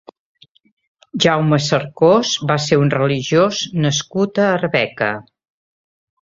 Jaume Cercós va ser un religiós nascut a Arbeca.